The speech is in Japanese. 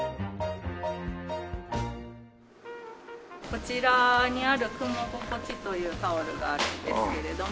こちらにある「雲ごこち」というタオルがあるんですけれども。